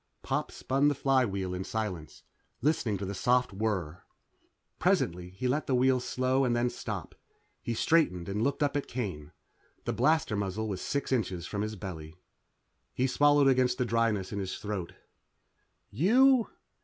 Pop spun the flywheel in silence, listening to the soft whir. Presently, he let the wheel slow and then stop. He straightened and looked up at Kane. The blaster muzzle was six inches from his belly. He swallowed against the dryness in his throat. "You